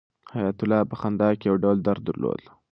حیات الله په خندا کې یو ډول درد درلود.